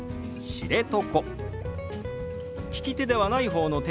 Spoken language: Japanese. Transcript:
「知床」。